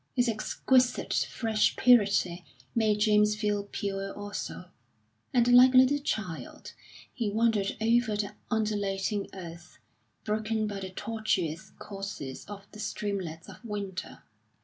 Its exquisite fresh purity made James feel pure also, and like a little child he wandered over the undulating earth, broken by the tortuous courses of the streamlets of winter.